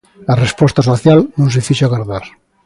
A resposta social non se fixo agardar.